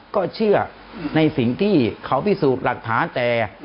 ก็เชื่อในสิ่งที่เขาพิสูจน์หลักฐานแต่